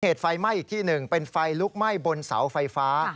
ไฟไหม้อีกที่หนึ่งเป็นไฟลุกไหม้บนเสาไฟฟ้า